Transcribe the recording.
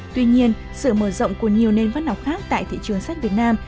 tuy nhiên sự mở rộng của nhiều nền văn học khác tại thị trường sách việt nam